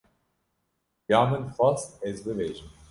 Ya min dixwast ez bibêjim.